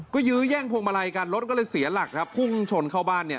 ก็ยื้อแย่งพวงมาลัยกันรถก็เลยเสียหลักครับพุ่งชนเข้าบ้านเนี่ย